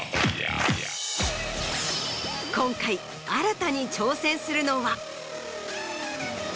今回新たに挑戦するのは。